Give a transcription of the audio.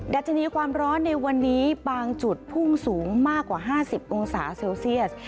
ัชนีความร้อนในวันนี้บางจุดพุ่งสูงมากกว่า๕๐องศาเซลเซียส